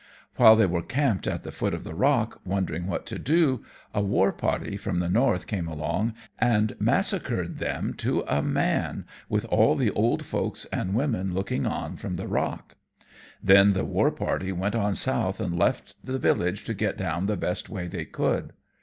While they were camped at the foot of the rock, wondering what to do, a war party from the north came along and massacred 'em to a man, with all the old folks and women looking on from the rock. Then the war party went on south and left the village to get down the best way they could.